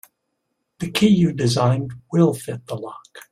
The key you designed will fit the lock.